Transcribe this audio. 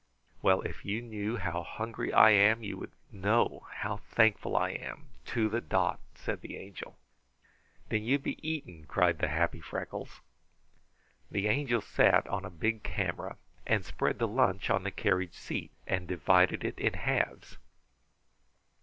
"Well, if you knew how hungry I am, you would know how thankful I am, to the dot," said the Angel. "Then you be eating," cried the happy Freckles. The Angel sat on a big camera, spread the lunch on the carriage seat, and divided it in halves.